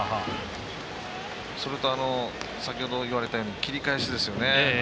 それと、先ほど言われたように切り返しですよね。